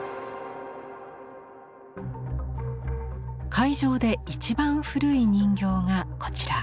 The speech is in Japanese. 会場で一番古い人形がこちら。